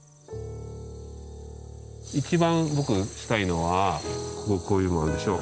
一番僕したいのはこここういうものあるでしょ。